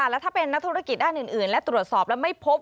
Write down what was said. แล้วถ้าเป็นนักธุรกิจด้านอื่นและตรวจสอบแล้วไม่พบ